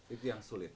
itu yang sulit